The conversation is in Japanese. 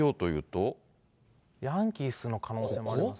ヤンキースの可能性もありまここ？